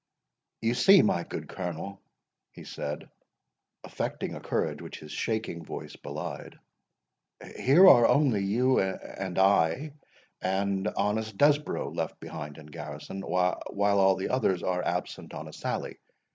"You see, my good Colonel," he said, affecting a courage which his shaking voice belied, "here are only you and I and honest Desborough left behind in garrison, while all the others are absent on a sally.